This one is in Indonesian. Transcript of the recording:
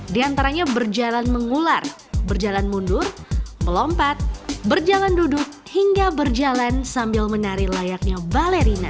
di antaranya berjalan mengular berjalan mundur melompat berjalan duduk hingga berjalan sambil menari layaknya balerina